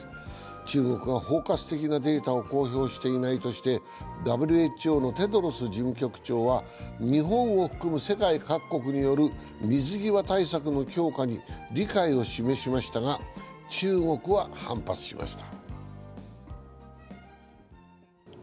中国が包括的なデータを公表していないとしてＷＨＯのテドロス事務局長は、日本を含む世界各国による水際対策の強化に理解を示しましたが、中国は反発しました。